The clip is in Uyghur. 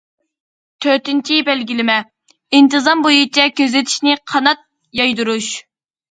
تۆتىنچى، بەلگىلىمە، ئىنتىزام بويىچە كۆزىتىشنى قانات يايدۇرۇش.